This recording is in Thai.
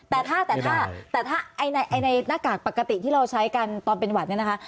แต่ถ้าแต่ถ้าในหน้ากากปกติที่เราใช้กันตอนเป็นหวัดเนี่ยนะคะ